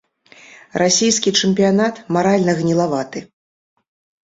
Расійскі чэмпіянат маральна гнілаваты.